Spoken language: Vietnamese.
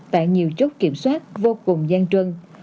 tại nhiều chốt kiểm soát vô cùng gian trân